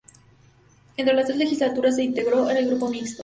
En las tres legislaturas se integró en el Grupo Mixto.